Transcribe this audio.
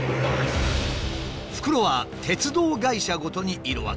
袋は鉄道会社ごとに色分け。